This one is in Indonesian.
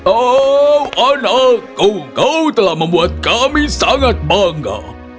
oh anakku kau telah membuat kami sangat bangga